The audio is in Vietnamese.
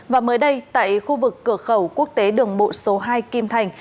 và mới đây tại khu vực cửa khẩu quốc tế đường bộ số hai kim thành